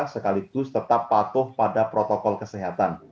sekaligus tetap patuh pada protokol kesehatan